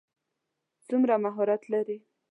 څومره مهارت لري.